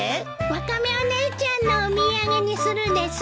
ワカメお姉ちゃんのお土産にするです。